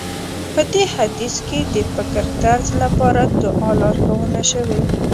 په دې حديث کې د فکرطرز لپاره دعا لارښوونه شوې.